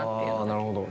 なるほど。